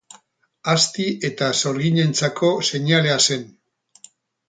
Azti eta Sorginentzako seinalea zen.